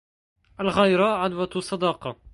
الغيرة عدوةُ الصداقة.